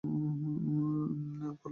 ফলে এক বিকট আওয়াজ তাদেরকে পাকড়াও করে।